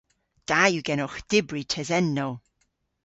Da yw genowgh dybri tesennow.